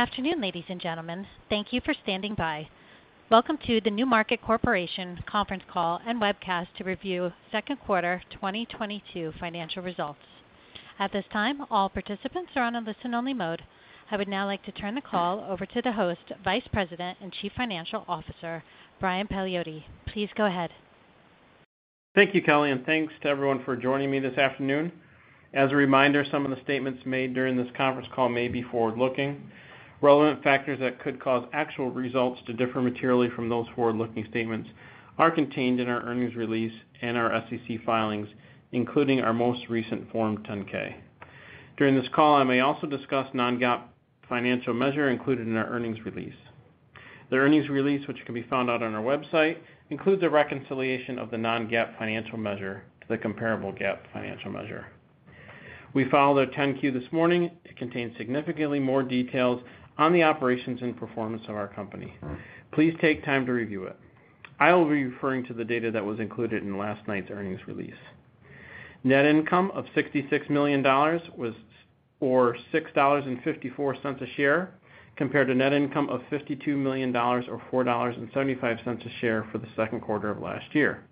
Afternoon, ladies and gentlemen. Thank you for standing by. Welcome to the NewMarket Corporation conference call and webcast to review second quarter 2022 financial results. At this time, all participants are on a listen-only mode. I would now like to turn the call over to the host, Vice President and Chief Financial Officer, Brian Paliotti. Please go ahead. Thank you, Kelly, and thanks to everyone for joining me this afternoon. As a reminder, some of the statements made during this conference call may be forward-looking. Relevant factors that could cause actual results to differ materially from those forward-looking statements are contained in our earnings release and our SEC filings, including our most recent Form 10-K. During this call, I may also discuss non-GAAP financial measure included in our earnings release. The earnings release, which can be found on our website, includes a reconciliation of the non-GAAP financial measure to the comparable GAAP financial measure. We filed our Form 10-Q this morning. It contains significantly more details on the operations and performance of our company. Please take time to review it. I will be referring to the data that was included in last night's earnings release. Net income of $66 million was, or $6.54 a share, compared to net income of $52 million or $4.75 a share for the second quarter of last year.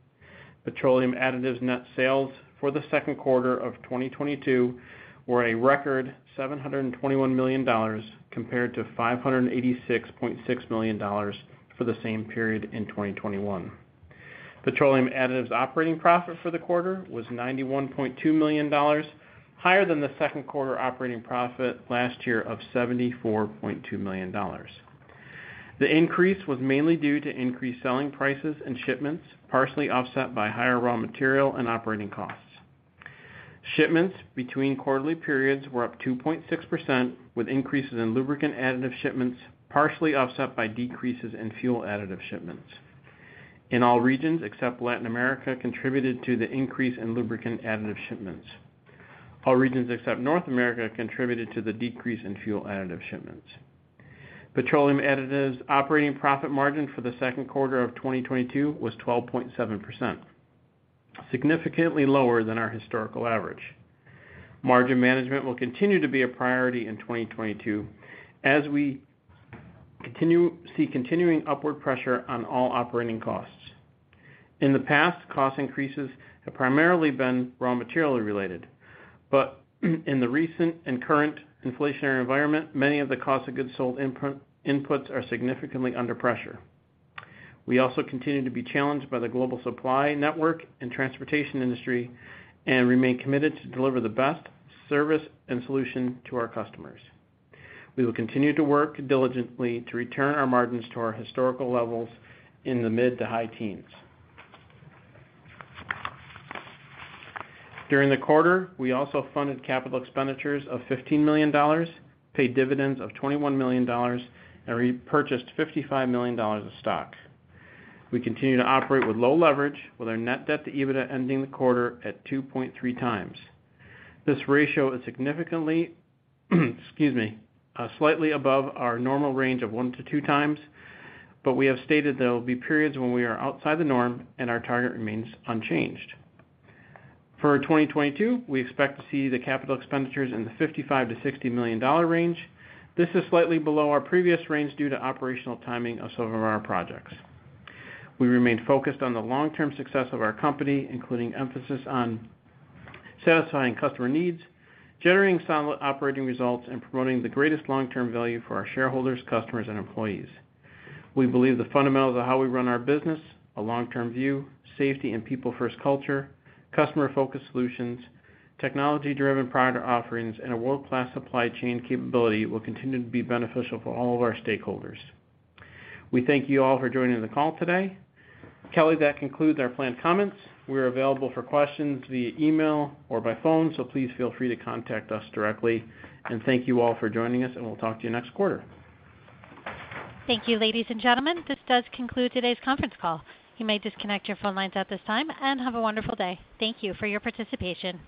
Petroleum additives net sales for the second quarter of 2022 were a record $721 million compared to $586.6 million for the same period in 2021. Petroleum additives' operating profit for the quarter was $91.2 million, higher than the second quarter operating profit last year of $74.2 million. The increase was mainly due to increased selling prices and shipments, partially offset by higher raw material and operating costs. Shipments between quarterly periods were up 2.6%, with increases in lubricant additive shipments partially offset by decreases in fuel additive shipments. In all regions except Latin America contributed to the increase in lubricant additive shipments. All regions except North America contributed to the decrease in fuel additive shipments. Petroleum additives' operating profit margin for the second quarter of 2022 was 12.7%, significantly lower than our historical average. Margin management will continue to be a priority in 2022 as we see continuing upward pressure on all operating costs. In the past, cost increases have primarily been raw material-related. In the recent and current inflationary environment, many of the Cost of Goods Sold inputs are significantly under pressure. We also continue to be challenged by the global supply network and transportation industry, and remain committed to deliver the best service and solution to our customers. We will continue to work diligently to return our margins to our historical levels in the mid to high teens. During the quarter, we also funded capital expenditures of $15 million, paid dividends of $21 million, and repurchased $55 million of stock. We continue to operate with low leverage, with our net debt to EBITDA ending the quarter at 2.3x. This ratio is, excuse me, slightly above our normal range of 1x-2x, but we have stated there will be periods when we are outside the norm, and our target remains unchanged. For 2022, we expect to see the capital expenditures in the $55 million-$60 million range. This is slightly below our previous range due to operational timing of some of our projects. We remain focused on the long-term success of our company, including emphasis on satisfying customer needs, generating solid operating results, and promoting the greatest long-term value for our shareholders, customers, and employees. We believe the fundamentals of how we run our business, a long-term view, safety and people-first culture, customer-focused solutions, technology-driven product offerings, and a world-class supply chain capability will continue to be beneficial for all of our stakeholders. We thank you all for joining the call today. Kelly, that concludes our planned comments. We are available for questions via email or by phone, so please feel free to contact us directly. Thank you all for joining us, and we'll talk to you next quarter. Thank you, ladies and gentlemen. This does conclude today's conference call. You may disconnect your phone lines at this time and have a wonderful day. Thank you for your participation.